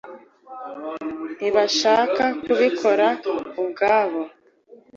Ntibashaka kubikora ubwabo.